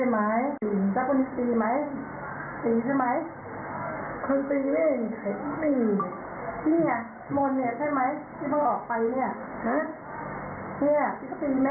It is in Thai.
แม่จำได้ไหม